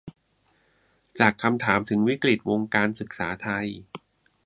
จากคำถามถึงวิกฤติ วงการศึกษาไทย